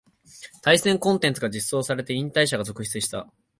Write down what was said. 対戦コンテンツが実装されて引退者が続出した